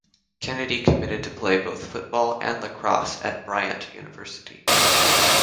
Kennedy committed to play both football and lacrosse at Bryant University.